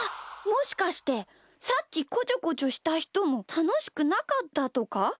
もしかしてさっきこちょこちょしたひともたのしくなかったとか？